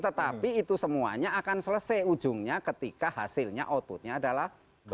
tetapi itu semuanya akan selesai ujungnya ketika hasilnya outputnya adalah